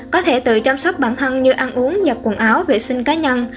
có thể tự chăm sóc bản thân như ăn uống nhập quần áo vệ sinh cá nhân